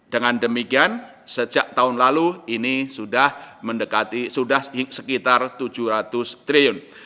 dengan demikian sejak tahun lalu ini sudah mendekati sudah sekitar tujuh ratus triliun